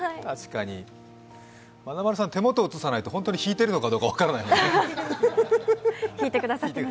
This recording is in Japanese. まなまるさん、手元を映さないと本当に弾いているかどうか分からないですね。